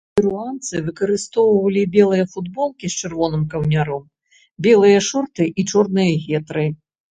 Перуанцы выкарыстоўвалі белыя футболкі з чырвоным каўняром, белыя шорты і чорныя гетры.